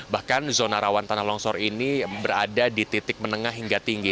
bahkan zona rawan tanah longsor ini berada di titik menengah hingga tinggi